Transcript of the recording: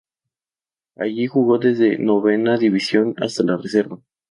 Allí jugó desde Novena División hasta la Reserva.